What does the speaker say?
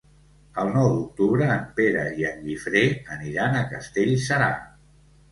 El nou d'octubre en Pere i en Guifré aniran a Castellserà.